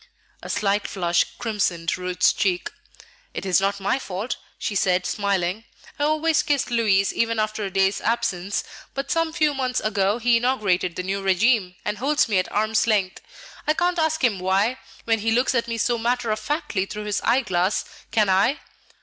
A slight flush crimsoned Ruth's cheek. "It is not my fault," she said, smiling; "I always kissed Louis even after a day's absence. But some few months ago he inaugurated the new regime, and holds me at arm's length. I can't ask him why, when he looks at me so matter of factly through his eyeglass, can I?"